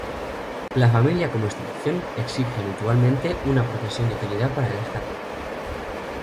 La familia como institución, exige habitualmente una profesión de utilidad para el Estado.